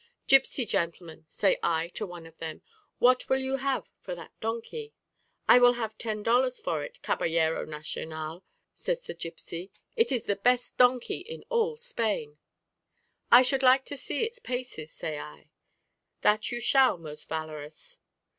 'Gipsy gentleman,' say I to one of them, 'what will you have for that donkey?' 'I will have ten dollars for it, Caballero national,' says the gipsy: 'it is the best donkey in all Spain.' 'I should like to see its paces,' say I. 'That you shall, most valorous!'